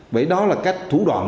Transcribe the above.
vậy đó là cách thủ đoạn